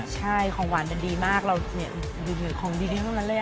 ใช่ของหวานดีมากเราดูของดีนึงแม่งเลย